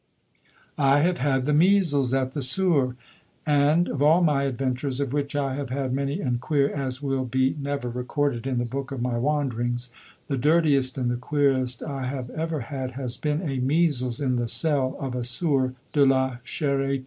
I have had the measles at the S[oe]urs. And, of all my adventures, of which I have had many and queer, as will be (never) recorded in the Book of my Wanderings, the dirtiest and the queerest I have ever had has been a measles in the cell of a S[oe]ur de la Charité.